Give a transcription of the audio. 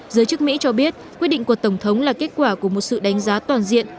giới chức mỹ cho biết quyết định của tổng thống là kết quả của một sự đánh giá toàn diện